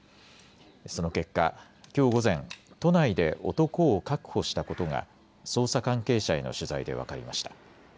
その結果、きょう午前、都内で男を確保したことが捜査関係者への取材で分かりました。